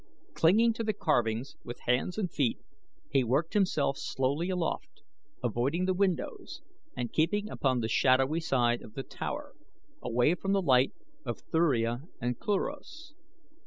Clinging to the carvings with hands and feet he worked himself slowly aloft, avoiding the windows and keeping upon the shadowy side of the tower, away from the light of Thuria and Cluros.